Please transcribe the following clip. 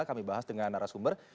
kami bahas dengan narasumber